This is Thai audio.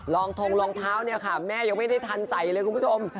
ทงรองเท้าเนี่ยค่ะแม่ยังไม่ได้ทันใส่เลยคุณผู้ชม